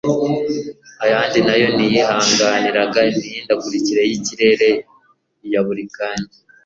Ayandi na yo ntiyihanganiraga imihindagurikire y'ikirere ya buri kanya.